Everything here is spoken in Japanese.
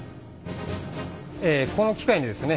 この機械でですね